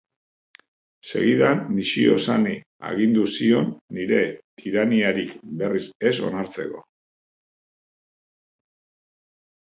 Segidan, Nishio-sani agindu zion nire tiraniarik berriz ez onartzeko.